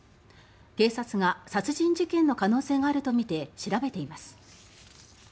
警察が殺人事件の可能性があるとみて調べています。